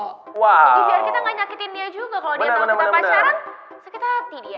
biar kita gak nyakitin dia juga kalau dia tahu kita pacaran sakit hati dia